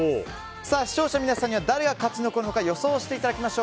視聴者の皆さんには誰が勝ち残るのか予想していただきましょう。